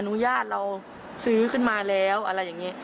อุญาตเราซื้อขึ้นมาแล้วอะไรอย่างนี้